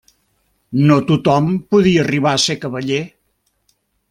No tothom podia arribar a ser cavaller.